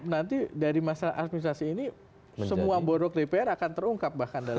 nanti dari masa administrasi ini semua bodoh dpr akan terungkap